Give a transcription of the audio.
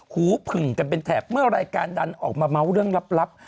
หูผึ่งกันเป็นแถบเมื่อรายการดันออกมาเมาส์เรื่องลับ